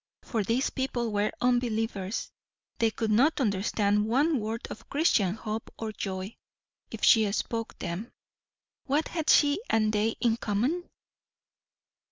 For these people were unbelievers. They could not understand one word of Christian hope or joy, if she spoke them. What had she and they in common?